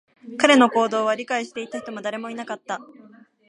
彼の行動を理解していた人も誰もいなかった